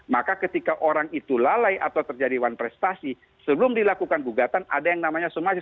maka ketika orang itu lalai atau terjadi wanprestasi sebelum dilakukan gugatan ada yang namanya somasi